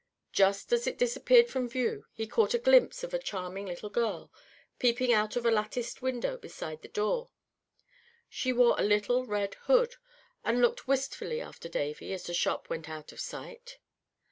Just as it disappeared from view he caught a glimpse of a charming little girl, peeping out of a latticed window beside the door. She wore a little red hood, and looked wistfully after Davy as the shop went out of sight.